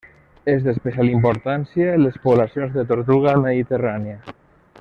És d'especial importància les poblacions de tortuga mediterrània.